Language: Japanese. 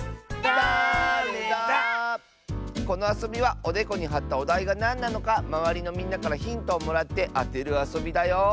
このあそびはおでこにはったおだいがなんなのかまわりのみんなからヒントをもらってあてるあそびだよ！